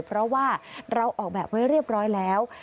เพราะว่าเราออกแบบไว้เรียบร้อยแล้ว